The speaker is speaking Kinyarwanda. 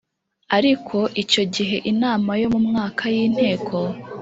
ariko icyo gihe inama yo mu mwaka y Inteko